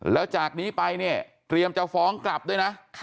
แล้วจากนี้ไปเนี่ยเตรียมจะฟ้องกลับด้วยนะ